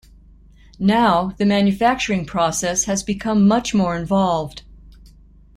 Now, the manufacturing process has become much more involved.